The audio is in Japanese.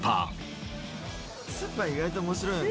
再びスーパー意外と面白いよね。